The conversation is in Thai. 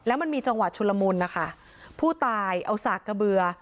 แล้วมันมีจังหวะชุลมุนนะคะผู้ตายเอาสากกระเบือ